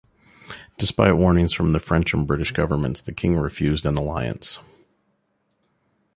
Despite warnings from the French and British governments, the king refused an alliance.